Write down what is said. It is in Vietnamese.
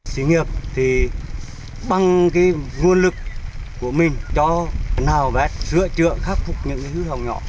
sĩ nghiệp thì bằng cái nguồn lực của mình cho nào vẽ sửa trựa khắc phục những hư hỏng nhỏ